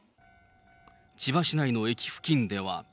千葉市内の駅付近では。